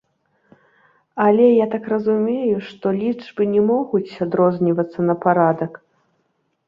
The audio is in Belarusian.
Але, я так разумею, што лічбы не могуць адрознівацца на парадак.